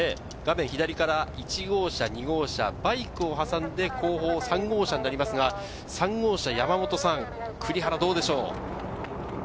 画面左から１号車、２号車、バイクを挟んで後方３号車となりますが山本さん、栗原どうでしょう？